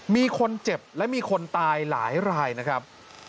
มีคนเจ็บและมีคนตายหลายรายนะครับ